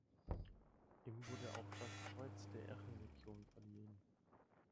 Ihm wurde auch das Kreuz der Ehrenlegion verliehen.